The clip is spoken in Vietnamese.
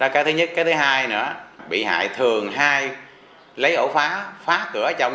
cái thứ nhất cái thứ hai nữa bị hại thường hay lấy ổ phá phá cửa trong